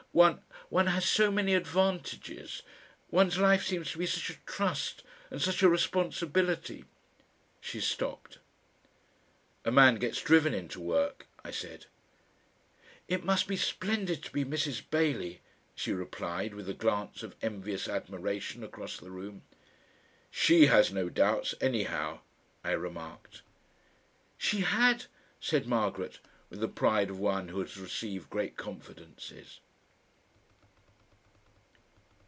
One one has so many advantages, one's life seems to be such a trust and such a responsibility " She stopped. "A man gets driven into work," I said. "It must be splendid to be Mrs. Bailey," she replied with a glance of envious admiration across the room. "SHE has no doubts, anyhow," I remarked. "She HAD," said Margaret with the pride of one who has received great confidences.